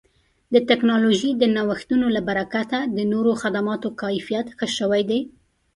د ټکنالوژۍ د نوښتونو له برکته د نوو خدماتو کیفیت ښه شوی دی.